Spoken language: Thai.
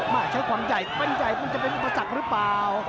มาใช้ความใหญ่เป็นประสักรึเปล่า